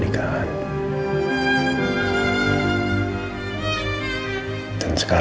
wah kerasnya terbenci creator